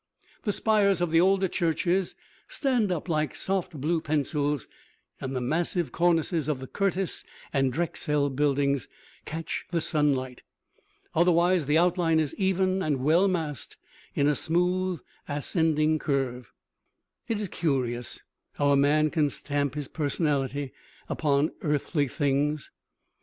The spires of the older churches stand up like soft blue pencils, and the massive cornices of the Curtis and Drexel buildings catch the sunlight. Otherwise the outline is even and well massed in a smooth ascending curve. It is curious how a man can stamp his personality upon earthly things.